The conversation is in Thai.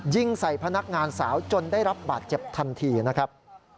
ยิงใส่พนักงานสาวจนได้รับบาดเจ็บทันทีนะครับ